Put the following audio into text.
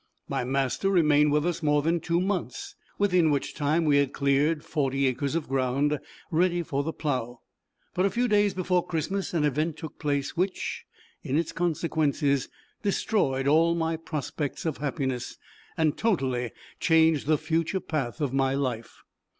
My master remained with us more than two months; within which time we had cleared forty acres of ground, ready for the plough; but, a few days before Christmas, an event took place, which, in its consequences, destroyed all my prospects of happiness, and totally changed the future path of my life.